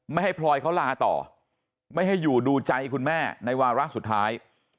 ไม่ให้พลอยเขาลาต่อไม่ให้อยู่ดูใจคุณแม่ในวาระสุดท้าย